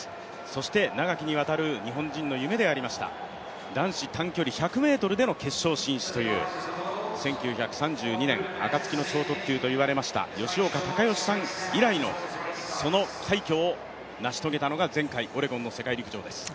そして長きにわたる日本人の夢でありました、男子短距離１００ｍでの決勝進出という、１９３２年、暁の超特急といわれました吉岡隆徳さん以来のその快挙を成し遂げたのが、前回オレゴンの世界陸上です。